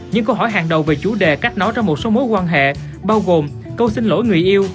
những câu hỏi hàng đầu về chủ đề cách nói trong một số mối quan hệ bao gồm câu xin lỗi người yêu